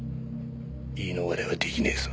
言い逃れは出来ねえぞ。